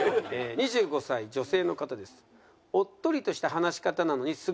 ２５歳女性の方です。